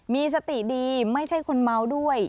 มีสติดีไม่ใช่คนเมาด้วย